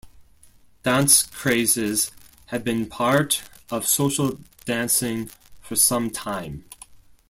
Dance crazes have been a part of social dancing for some time.